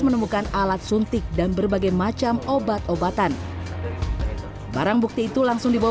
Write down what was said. menemukan alat suntik dan berbagai macam obat obatan barang bukti itu langsung dibawa